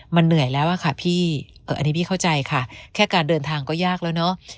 มันเหนื่อยแล้วอะค่ะพี่อันนี้พี่เข้าใจค่ะแค่การเดินทางก็ยากแล้วเนอะ